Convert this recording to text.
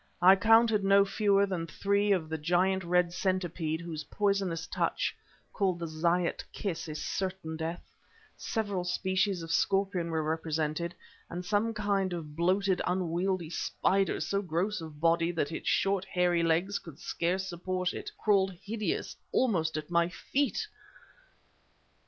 I counted no fewer than three of the giant red centipedes whose poisonous touch, called "the zayat kiss," is certain death; several species of scorpion were represented; and some kind of bloated, unwieldy spider, so gross of body that its short, hairy legs could scarce support it, crawled, hideous, almost at my feet.